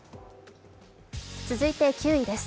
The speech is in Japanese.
続いて９位です。